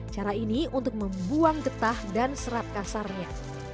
cara ini untuk membuang getah dan serat kasarnya